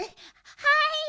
はい。